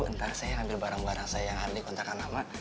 ntar saya ambil barang barang saya yang harus dikontrakan nama